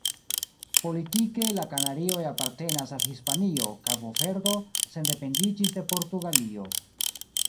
Politike la Kanarioj apartenas al Hispanio, Kabo-Verdo sendependiĝis de Portugalio.